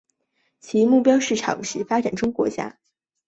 其目标市场是发展中国家。